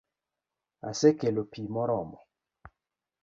Asekelo pi moromo